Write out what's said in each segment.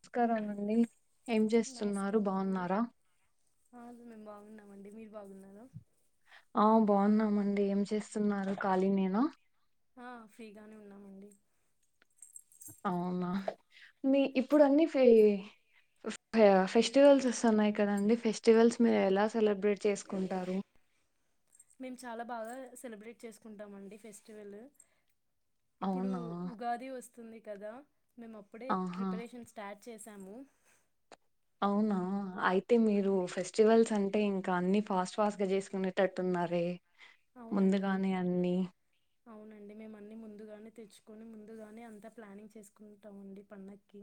నమస్కారాలండి ఏం చేస్తున్నారు బాగున్నారా అ మేము బాగున్నామండి మీరు బాగున్నారా ఆ బాగున్నామండి ఏం చేస్తున్నారు ఖాళీ నేన ఆ ఫ్రీగానే ఉన్నామండి అవునా మీ ఇప్పుడు అన్ని ఫ ఫెస్టివల్స్ వస్తున్నాయి కదండీ ఫెస్టివల్స్ మీరు ఎలా సెలబ్రేట్ చేసుకుంటారు మేము చాలా బాగా సెలబ్రేట్ చేసుకుంటామ అండి ఫెస్టివలు ఇప్పుడు అవునా ఉగాది వస్తుంది కదా మేము అప్పుడే ఆహా ప్రిపరేషన్ స్టార్ట్ చేసాము అవునా అయితే ఆ మీరు ఫెస్టివల్స్ అంన్ టే ఇంకా అన్ని ఫాస్ట్ ఫాస్ట్ గా చేసుకునేటట్టు ఉన్నారే అవునండి ముందుగానే అన్ని అవునండి మేము అన్నీ ముందుగానే తెచ్చుకొని ముందుగానే అంతా ప్లానింగ్ చేసుకుంటాం అండి పండక్కి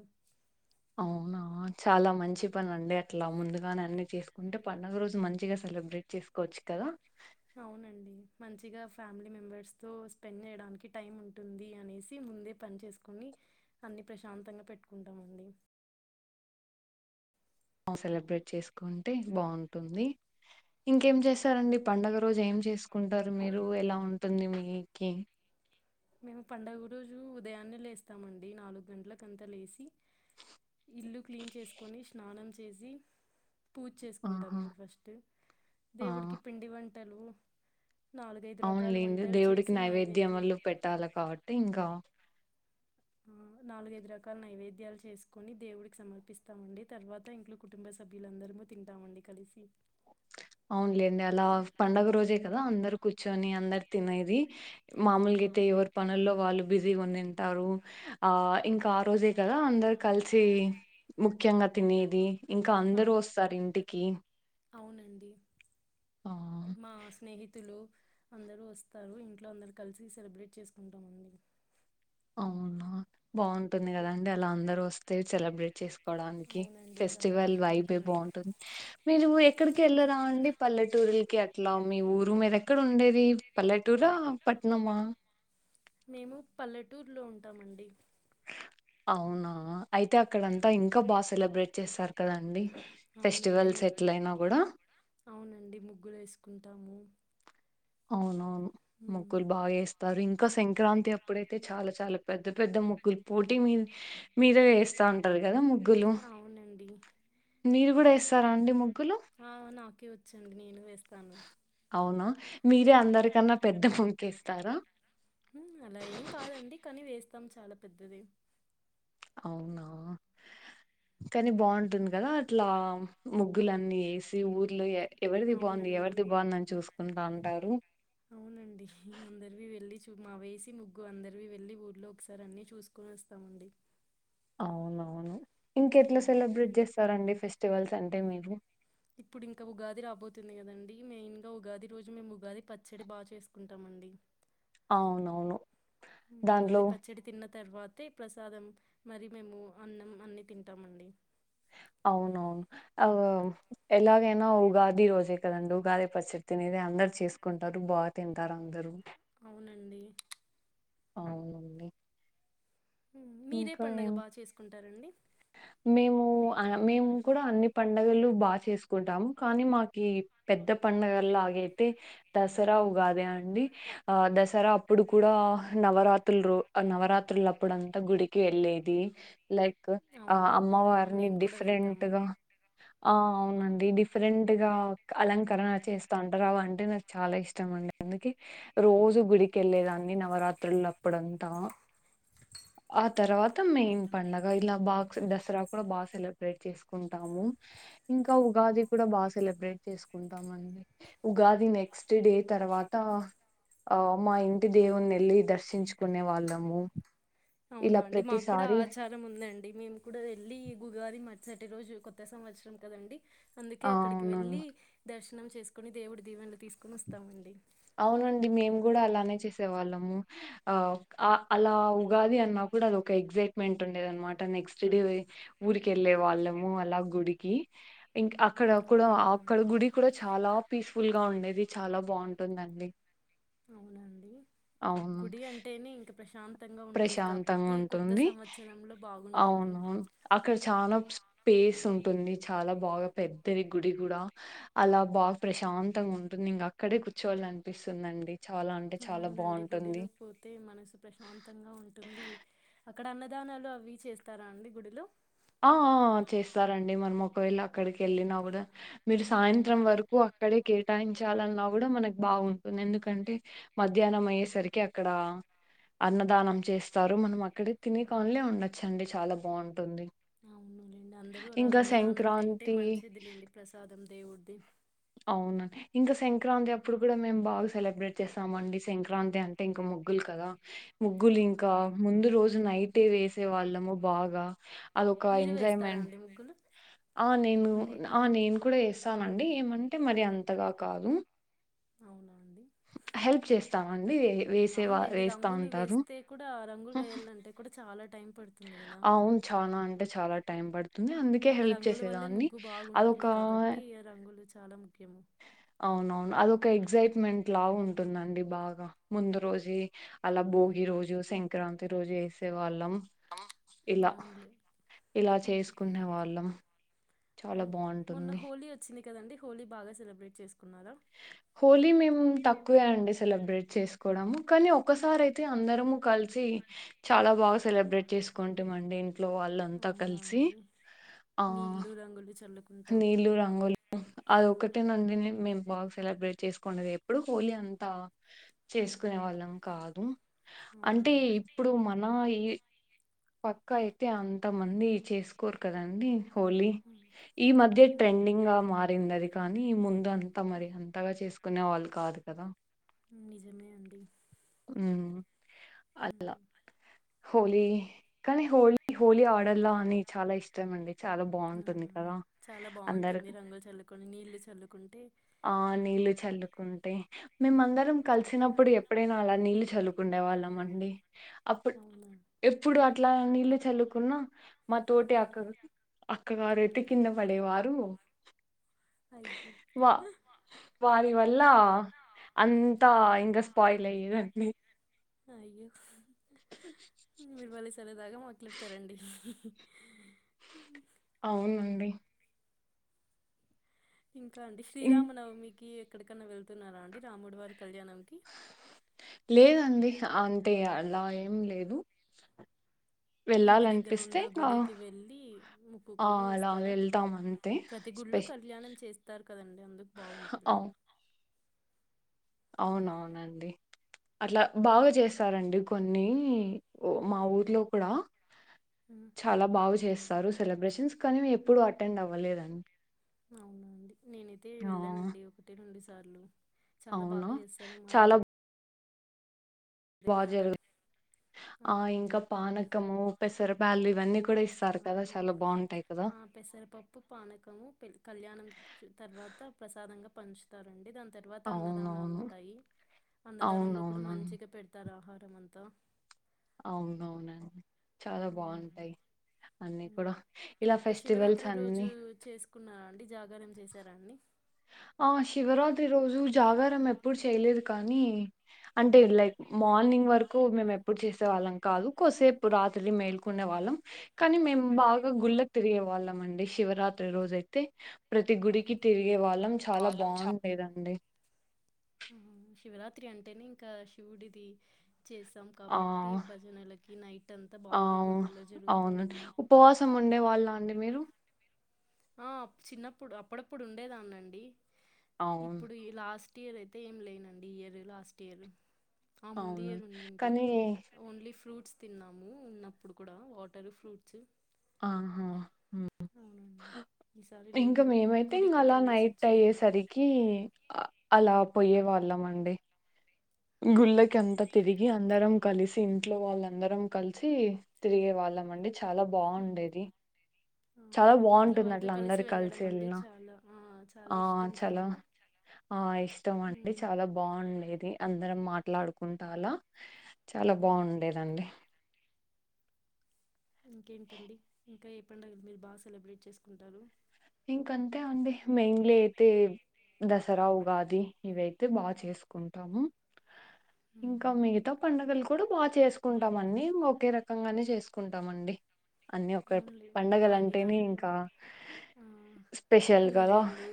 అవునా చాలా మంచి పని అండి అట్లా ముందుగానే అన్ని చేసుకుంటే పండుగ రోజు మంచిగా సెలబ్రేట్ చేసుకోవచ్చు కదా అవునండి మంచిగా ఫ్యామిలీ మెంబర్స్ తో స్పెండ్ చేయడానికి టైం ఉంటుంది అనేసి ముందే పని చేసుకొని అన్ని ప్రశాంతంగా పెట్టుకుంటామండి ఆ సెలబ్రేట్ చేసుకుంటే బాగుంటుంది ఇంకేం చేస్తారండి పండుగ రోజు ఏం చేసుకుంటారు మీరు ఎలా ఉంటుంది మీకి మేము పండుగ రోజు ఉదయాన్నే లేస్తామండి నాలుగు గంటలకంతా లేసి [inaudible] ఇల్లు క్లీన్ చేసుకొని స్నానం చేసి పూజ ఆహా చేసుకుంటామండి ఫస్ట్ ఆ దేవుడికి పిండి వం అవును లెండి వంటలు దేవుడికి చేసి నైవేద్యం నైవేద్యములు పెట్టాల కాబట్టి ఇంకా నాలుగైదు రకాల నైవేద్యాలు చేసుకొని దేవుడికి సమర్పిస్తామండి తర్వాత ఇంట్లో కుటుంబ సభ్యులందరము తింటామండి కలిసి అవునులేండి అలా పండుగ రోజే కదా అందరూ కూర్చొని అందరూ తినేది మాములుగీతే ఎవరు పనుల్లో వాళ్ళు బిజీగా ఉనింటారూ ఆ ఇంకా ఆ రోజే కదా అందరూ కలిసి ముఖ్యంగా తినేది ఇంకా అందరూ అవును వస్తారు ఇంటికి అవునండి ఆ మా స్నేహితులు అందరూ వస్తారు ఇంట్లో అందరూ కలిసి సెలబ్రేట్ చేసుకుంటామండి అవునా బాగుంటుంది కదా అండి అలా అందరూ వస్తే సెలబ్రేట్ చేస్ బడానికి అవునండి చాలా ఫెస్టివల్స్ ఫెస్టివల్ వైపే ప్రశాంతంగా అయితే బాగుంటుం ఉంటుంది మీరు ఎక్కడికి వెళ్లరండి పల్లెటూరులాకి అట్లా మీ ఊరు మీరు ఎక్కడ ఉండేది పల్లెటూరా పట్నమా మేము పల్లెటూర్లో ఉంటామండి అవునా అయితే అక్కడంతా ఇంకా బాగా సెలబ్రేట్ చేస్తార్ కదండి అవునండి ము ఫెస్టివల్స్ ఎట్లయినా కూడా తాము అవునవును ముగ్గులు బాగా వేస్ తారు ఇంకా సంక్రాంతి అప్పుడైతే చాలా చాలా పెద్ద పెద్ద ముగ్గులు పోటీ మీ మీదే వేస్తా ఉంటారు కదా ము అవునండి మీరు కూడా ఎస్తారా అండి ముగ్గులు ఆ నాకే వచ్చు అండి నేను వే అవునా మీరే అందరికన్నా పెద్ద పొంకేస్తారా ఉ అలా ఏం కాదండి కానీ వేస్తాం చాలా పెద్దది అవునా కానీ ఉమ్ బాగుంటుంది కదా అట్లా ముగ్గులన్నీ ఏసి ఊర్లో ఎవరిది బాగుంది అవునండి ఎవరిది బాగుందని చూసుకుంటా అంటారు అవునండి అందరివి వెళ్ళి మా వేసి ముగ్గు అందరి వెళ్ళి ఊళ్ళో ఒకసారి అన్నీ చూసుకొని వస్తామండి అవునవును ఇంక ఎట్లా ఉమ్ సెలబ్రేట్ చేస్తారండి ఫెస ఫెస్టివల్స్ అంటే మీరూ ఇప్పుడు ఇంకా ఉగాది రాబోతుంది కదండి మెయిన్ గా ఉగాది రోజు మేము ఉగాది పచ్చడి బాగా చేసుకుంటామ అండి అవునవును ఉగాది దానిట్లో పచ్చడి తిన్న తర్వాతే ప్రసాదం మరి మేము అన్నం అన్ని తింటామండి అవునవును ఆ ఎలాగైనా ఉగాది రోజే కదండి ఉగాది పచ్చడి తినేది అందరు చేసుకుంటారు బాగా తింటారు అందరు అవునండి అవునండి మీరే ఇంకా పడుగ ఏం బాగా చేసుకుంటారండి మేము మేము కూడా అన్ని పడుగలు బాగా చేసుకుంటాము కానీ మాకు పెద్ద పండగలాగైతే దసరా ఉగాదే అండి ఆ దసరా అప్పుడు కూడా నవరాత్రులు రో నవరాత్రులు అప్పుడంతా గుడికి వెళ్ళేది లైక్ ఆ అవునండి ఆ, అమ్మవారిని మేము కూడా వెళ్తాము డిఫరెంట్గా ఆ అవునండి డిఫరెంట్ గా అలంకరణ చేస్తంటారు అవంటి అంటే నాకు చాలా ఇష్టం అండి అందుక రోజు గుడిక వెళ్ళలేదాన్ని నవరాత్రులు అప్పుడంతా ఆ తర్వాత మెయిన్ పండగ ఇలా బా దసరా కూడా బాగా సెలబ్రేట్ చేసుకుంటాము ఇంకా ఉగాది కూడా బాగా సెలబ్రేట్ చేసుకుంటాండి ఉగాది నెక్స్ట్ డే తర్వాత ఆ మా ఇంటి దేవుని వెళ్ళి దర్శించుకునే వాళ్ళము ఇలా ప్రతిసారి దండి మేము కూడా వెళ్ళి గుగాది మట్సటి రోజు కొత్త సంవత్సరం కదండి అందుకే ఆ అక్కడికి అవును. వెళ్లి దర్శ చేసుకుని దేవుడు దీవన తీసుక అవునండి మేమ్ కూడా అలానే చేసే వాళ్ళము ఆ అలా ఉగాది అన్నా కూడా అది ఒక ఎగ్సైట్మెంట్ ఉండేది అనమాట నెక్స్ట్ డే ఉరికెళ్ళే వాళ్ళమ అలా గుడికి ఇం అక్కడ ఉమ్, కూడా అక్కడ అవునండి గుడి కూడా చాలా పీస్ఫుల్ గా ఉండేది చాలా బాగుంటుందండి అవునండి గుడి అంటేని ఇంక్ ప్రశాంత్ ప్రశాంతంగా ఉంటుంది సంవత్సరంలో బాగుంటుంది అవునువును అక్కడ చాలా స్పేస్ ఉంటుంది చాలా బాగా పెద్దది గుడి కూడా అలా బాగా ప్రశాంతంగా ఉంటుంది ఇంక అక్కడే కూర్చోళ అనిపిస్తుందండి అవునండి గుడిలోకి పోతే మనసు ప్రశాంతంగా ఉంటుంది ది అక్కడ అన్నదానాలు అవి చేస్తారా అండి గుడిలో ఆ ఆ చేస్తారంండి మనం ఒకవేళ అక్కడికి వెళ్ళినా కూడా మీరు సాయంత్రం వరకు అక్కడే కేటాయించాలన్నా కూడా మనకు బాగుంటుంది ఎందుకంటే మధ్యాహ్నం అయ్యేసరికి అక్కడ అన్నదానం చేస్తారు మనం అ అక్కడ తినే అవును కానులే ఉండొచ్చండి చాలా బాగుంటుంది అవునులేండి అందరూ అలా అన్నదానలు తింటే సంక్రాంతి మంచిదిలేండి ప్రసాదం దేవుడిది అవునండి. ఇంకా సంక్రాంతి అప్పుడు కూడా మేము బాగా సెలబ్రేట్ చేస్తామ అండి సంక్రాంతి అంటే ఇంకా ముగ్గులు కదా ముగ్గులు ఇంకా అవునండి ముందు రోజు నైట్ ట్టే వేసే వాళ్ళము బాగా అదొక మీరు వేస్తారా ఎంజాయ్మెంట్ అండి ముగ్గులు ఆ నేను ఆ నేను కూడా వేసానండి ఏమంటే మరి అంతగా కాదు అవునా అండి హెల్ప్ చేస్ తాన్ అవునులేండి రంగులు వేస్తే కూడా రంగులు వేయాలంటే కూడా చాలా టైం పడుతుంది కదా అవును. చాలా అంటే చాలా టైం పడుత్ ంది అందుకే హెల్ప్ రంగుల వల్లే చేసేదాన్ని ముగ్గు అదొక చాలం అవునవును అద ఇంకా ఎగ్సైట్మెంట్ లా ఉంటుందండి బాగా ముందు రోజె అలా భోగి రోజు సంక్రాంతి రోజు వేసే వాళ్ళం ఇలా అవునులే ఇలా చేసుకునే వాళ్ళం మొన్న హోలీ వచ్చింది కదండి హోలీ బాగా సెలబ్రేట్ చేసుకునారా హోలీ మేము తక్కువే అండి సెలబ్రేట్ చేసుకోవడము కానీ ఒక్కసారి అయితే అందరము కలిసి చాలా బాగా సెలబ్రేట్ చేసుకుంటామఅండి ఇ లో వాళ్ళంతా అవునా కలిసి అండి ఆ నీళ్ళు రంగులు చల్లుకుంటా నీళ్లు రంగులు అది ఒక్కటే నండి నే మేం బాగా సెలబ్రేట్ చేస్కుంనేది. ఎప్పుడు హోలీ అంతా చేస్కునే వాళ్ళం కాదు. అవునా అంటే అండి ఇప్పుడు మన ఈ పక్కా అయితే అంత మంది చేస్కోరు కదండి. హోలీ ఉమ్, ఈ మధ్య ఉమ్. ట్రెండింగ్గా మారిందది కానీ ముందు అంతా మరి అంతగా చేసుకునే వాళ్ళు కాదు కదా నిజమే అండి మ్ అలా ఉమ్. హోలీ కానీ హోలీ హోలీ ఆడల్లా అని చాలా ఇష్టమండి. చాలా ఆ బాగుంటుంది కదా చాలా అందరు బాగుంటుంది రంగులు చల్లుకొని నీళ్లు చల్లుకుంటే ఆ నీళ్ళు చల్లుకుంటే మేమందరం కల్సినప్పుడు ఎప్ ప్పుడైనా అలా నీళ్ళు చల్లుకుండే వాళ్ళం అండి అప్పుడ్ అవునా ఎప్పుడు అట్లా నీళ్లు చల్లుకున్నా మా తోటి అక్క అక్కగారైతే కింద పడేవారు. అయ్యో ఇవాలా అంతా ఇంగస్ పాయిలయ్యే దండి అయ్యో మీరు భలే సరదాగా మాట్లాడ్తారండి. అవునండి ఇంకా అండి ఇం శ్రీరామనవమికి ఎక్కడికన్నా వెళ్తున్నారా అండి రాముడివారి కళ్యాణం లేదండి అంతే అలా ఏం లేదు. ఇంటి దగ్గర వెళ్ళాలనిపిస్తే ఉన్న ఇంగా గుడికి వెళ్ళి ఆ మొక్కుకొని అలా వస్తారా వెళ్తాం అంతే ప్రతి స్పె గుళ్లో కళ్యాణం చేస్ కదండి అందుక్ బాగుంటుంది. అవు అవునవునండి అట్లా బాగా చేస్తారండి కొన్ని మా ఊర్లో కూడా ఉమ్, చాలా బాగు చేస్తారు సెలబ్రేషన్స్ కానీ మేం ఎప్పుడు అటెండ్ అవ్వలేదం అవునా అండి నేనైతే వెళ్ళానండి ఒకటి రొండు సా సార్లు చాలా అవును బాగా చేస్తారు మా ఇంటి చాలా బా దగ్గర కల జరుగే ఆ అవునండి ఇంకా పానకము పెసర బ్యాళ్లు ఇవన్నీ క్ అవును ఆ పెసరపప్పు, పానకము పెళ్ కళ్యాణం చూ తర్వాత ప్రసాదంగా పంచుతారండి దాన్ తర్వాత అన్నదానాలు అవునవును ఉంటాయి. అన్నదానంలో కూడా అవునవునను మంచిగా పెడతారు ఆహార్ రేమంత అవునవునండి చాలా అవునండి బాగుంటాయి అన్ని ఉమ్ కూడా ఇలా ఇంకా ఫెస్టివల్స్ శివరాత్రి రోజు అన్నీ తేరండి ఆ శివరాత్రి రోజు జాగారం ఎప్పుడు చేయలేదు. కానీ అంటే లైక్ మార్నింగ్ వరకు మేము ఎప్పుడు చేసే వాళ్ళం కాదు. కోసేపు రాత్రి మేల్కునే వాళ్ళం కానీ, మేం బాగా గుళ్ళకి తిరిగే వాళ్ళం అండి. శివరాత్రి రోజు అయితే ప్రతి గుడికి తిరిగి ఏ వాళ్ళం చాలా బాగుండేదండి శివరాత్రి పతి అంటేనే ఇంకా శివుడిది చేసాం ఆ కాబట్టి భజనలకి నైట్ అంతా ఆ బాగా గుళ్ళలో అవును జరుగుతాయిడి ఉపవాసం ఉండేవాళ్ళ అండి మీరు ఆ చిన్నప్పుడు అప్పుడప్పుడు ఉండేదాన్నండి అవును ఇప్పుడు ఈ లాస్ట్ ఇయర్ అయితే ఏమి లేనండి ఈ ఇయర్ లాస్ట్ ఇయర్ ఆ ముందు అవును ఇయర ఉండింటి కానీ ఓన్లీ ఫ్ ఫ్రూట్స్ తిన్నము ఉన్నప్పుడు కూడ వాటర్ ఫ్రూట్స్ అవునండి ఈసారి ఇంక లేను మేమైతే ఇంగ గుడికి అలా వెళ్ళేసి నైట్ వచ్చుంటాను అయ్యేసరికి ఆ అలా పోయే వాళ్ళమండి హ్మ్ గుల్లకంత తిరిగి అందరం కలిసి ఇంట్లో వాళ్ళందరం కలిసి తిరిగే వాళ్ళమండి చాలా బావుండేది ఆ చాలా మీకు ఇంట్లో బాగుంటుంది వాళ్ళతో అట్లా అందరు కలిసి వెళ్ళడం అంటే ఎళ్ళిన చాలా ఆ చాలా ఆ ఇష్టం చాలా కదండి ఆ ఇష్టం అండి చాలా హ్మ్ బాగుండేది అ అందరం మాట్లాడుకుంటాఅలా చాలా ఉమ్. బావుండేది దండి ఇంకేంటండి ఇంకా ఎపండగలు మీరు బాగా సెలబ్రేట్ చేసుకుంటారు ఇంకంతే అండి మెయిన్లీ అయితే దసరా ఉగాది ఇవయితే బాగ చేసుకుంటాము ఇంకా ఉమ్. మిగతా పండుగలు కు ఇప్పుడు బాగ చేసుకుంటామన్ని ఒకే రకంగానే చేసుకుంటామండి అన్ని ఒకె అవునులేండి అన్ని పండుగలు పండగలంటేనే దానిలో ఇంకా ఆ, స్పెషల్ స్పెషల్ కదా పూజలు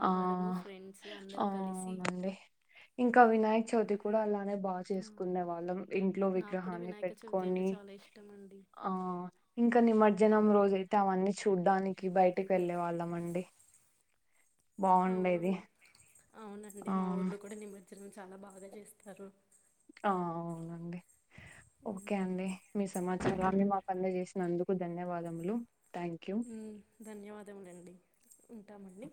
ఆ ఫ్రెండ్స్ ఆ, అందరూ కలిసి అవునండి ఇంకా వినాయక చవితి కూడా అలానే బా అలా ఆ, చేసుకునే వాళ్ళం ఇంట్లో నాకు కూడా విగ్రహాన్ని వినాయక చవితి అంటే పెట్టుకొని చాలా ఇష్టం అండి ఆ ఇంకా నిమర్జ్ జనం రోజైతే అవన్నీ చూడ్డానికి బై టికి వెళ్ళే వాళ్ళమండి ఆవును అవునండి ఆ మా ఊర్లో కూడా నిమర్ చిన్ చాలా బాగా జేస్తారు ఆ అవునండి ఉమ్, ఓకే అండి మీ సమాచారాన్ని మాకు అందజేసినందు కు ధన్యవాదములు థ్యాంక్ యూ ఊ ధన్యవాదములండి ఉంటాం అండి